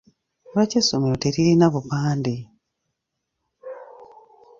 Lwaki essomero teririna bupande?